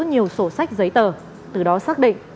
nhiều sổ sách giấy tờ từ đó xác định